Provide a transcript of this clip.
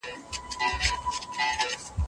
د بدن معافیت کمیدل هم وېښتو توېیدل زیاتوي.